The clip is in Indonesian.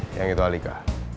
yang itu alika